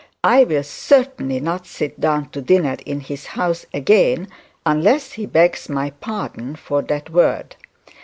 I will certainly not sit down to dinner in this house again unless he begs my pardon for that word.'